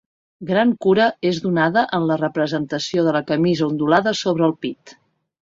Gran cura és donada en la representació de la camisa ondulada sobre el pit.